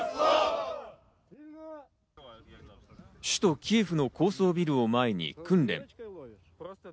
首都キエフの高層ビルを前に訓練。